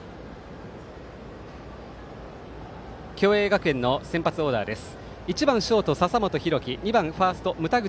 共栄学園の先発オーダーです。